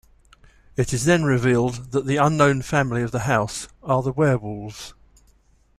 It is then revealed that the unknown family of the house are the werewolves.